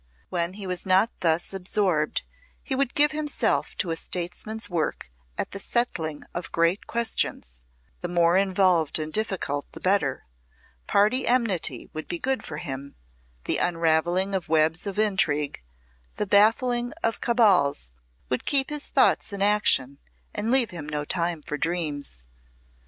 When he was not thus absorbed he would give himself to a statesman's work at the settling of great questions the more involved and difficult the better; party enmity would be good for him, the unravelling of webs of intrigue, the baffling of cabals would keep his thoughts in action, and leave him no time for dreams.